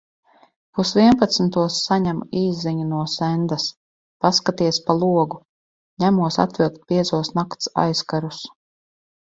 Pusvienpadsmitos saņemu īsziņu no Sendas – paskaties pa logu! Ņemos atvilkt biezos nakts aizkarus.